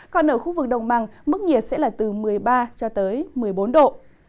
còn ở khu vực đồng bằng mức nhiệt sẽ là từ một mươi ba một mươi bốn độ